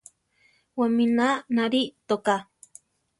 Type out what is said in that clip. Wamína narí toká.